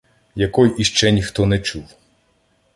Якой іще ніхто не чув.